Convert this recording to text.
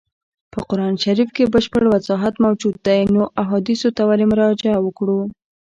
په قرآن شریف کي بشپړ وضاحت موجود دی نو احادیثو ته ولي مراجعه وکړو.